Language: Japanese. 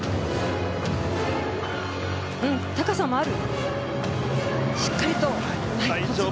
高さもある。